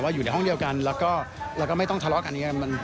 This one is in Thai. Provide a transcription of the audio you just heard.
ว่าอยู่ในห้องเดียวกันแล้วก็ไม่ต้องทะเลาะกัน